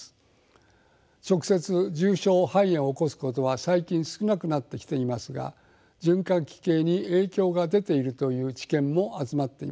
直接重症肺炎を起こすことは最近少なくなってきていますが循環器系に影響が出ているという知見も集まっています。